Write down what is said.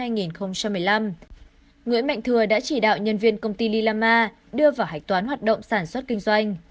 nguyễn mạnh thừa đã chỉ đạo nhân viên công ty lilama đưa vào hạch toán hoạt động sản xuất kinh doanh